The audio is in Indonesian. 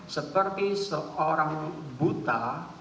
seperti seorang buta